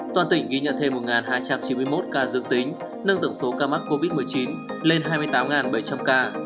toàn tỉnh ghi nhận thêm một hai trăm chín mươi một ca dương tính nâng tổng số ca mắc covid một mươi chín lên hai mươi tám bảy trăm linh ca